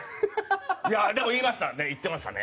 でも言いました。